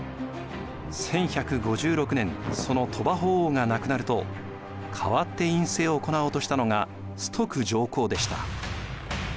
１１５６年その鳥羽法皇が亡くなると代わって院政を行おうとしたのが崇徳上皇でした。